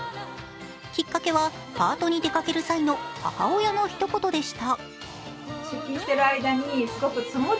きっかけは、パートに出かける際の母親のひと言でした。